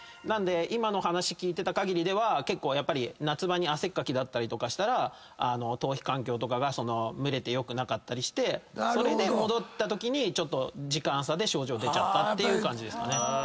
なんで今の話聞いてたかぎりでは結構やっぱり夏場に汗っかきだったりとかしたら頭皮環境とかが蒸れて良くなかったりしてそれで戻ったときに時間差で症状出ちゃったっていう感じ。